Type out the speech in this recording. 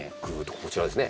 こちらですね。